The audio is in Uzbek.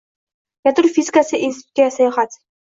Yadro fizikasi institutiga sayohat